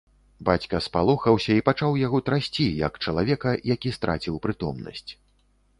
Бацька спалохаўся і пачаў яго трасці, як чалавека, які страціў прытомнасць.